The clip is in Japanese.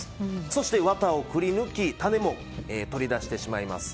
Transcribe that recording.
そしてワタをくりぬき種も取り出してしまいます。